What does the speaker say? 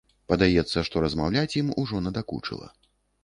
Падаецца, што размаўляць ім ужо надакучыла.